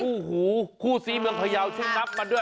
ฮู้หูคู่ซีเมืองพยาวชุกนับมาด้วย